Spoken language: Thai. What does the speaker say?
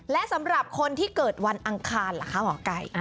และสำหรับคนที่เกิดวันอังคารล่ะคะหมอไก่